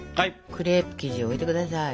クレープ生地を置いて下さい。